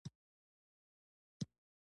کاربن له اکسیجن سره تعامل کوي.